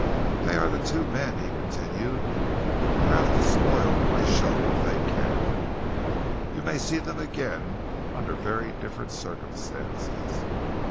"They are the two men," he continued, "who are out to spoil my show if they can. You may see them again under very different circumstances."